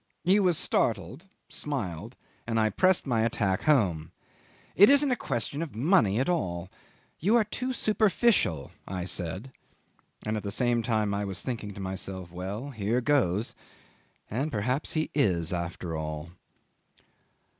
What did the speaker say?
He was startled, smiled, and I pressed my attack home. "It isn't a question of money at all. You are too superficial," I said (and at the same time I was thinking to myself: Well, here goes! And perhaps he is, after all).